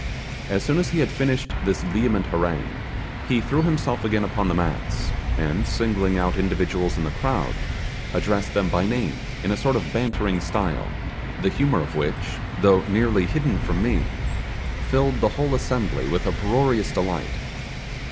As soon as he had finished his vehement harangue, he threw himself again upon the mats, and, singling out individuals in the crowd, addressed them by name, in a sort of bantering style, the humour of which, though nearly hidden from me filled the whole assembly with uproarious delight.